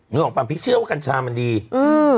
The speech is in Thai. นึกออกป่ะพี่เชื่อว่ากัญชามันดีอืม